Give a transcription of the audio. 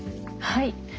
はい。